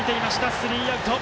スリーアウト！